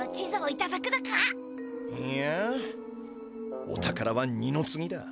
いいやお宝は二の次だ。